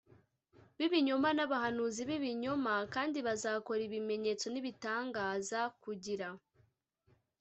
b ibinyoma n abahanuzi b ibinyoma v kandi bazakora ibimenyetso n ibitangaza w kugira